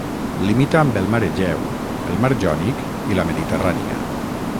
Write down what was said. Limita amb el mar Egeu, el mar Jònic i la Mediterrània.